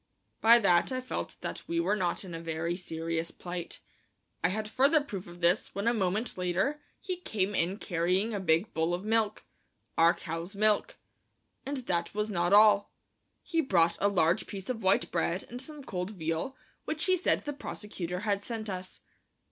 By that, I felt that we were not in a very serious plight. I had further proof of this when a moment later he came in carrying a big bowl of milk, our cow's milk. And that was not all. He brought a large piece of white bread and some cold veal, which he said the prosecutor had sent us.